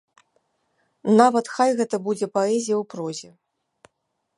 Нават хай гэта будзе паэзія ў прозе.